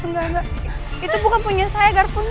enggak mbak itu bukan punya saya garpunya